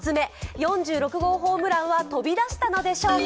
４６号ホームランは飛び出したのでしょうか？